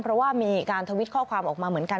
เพราะว่ามีการทวิตข้อความออกมาเหมือนกัน